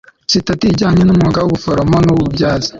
sitati ijyanye n'umwuga w'ubuforomo n'uw'ububyaza